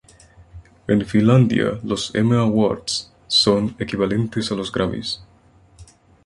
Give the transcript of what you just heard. En Finlandia los "Emma Awards" son equivalentes a los Grammy.